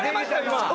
今。